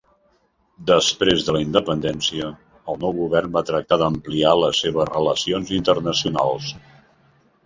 Després de la independència, el nou govern va tractar d'ampliar les seves relacions internacionals.